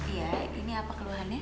iya ini apa keluhannya